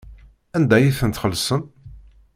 Anda ay ten-txellṣem?